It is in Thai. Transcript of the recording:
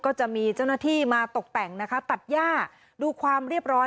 ก็จะมีเจ้าหน้าที่มาตกแต่งนะคะตัดย่าดูความเรียบร้อย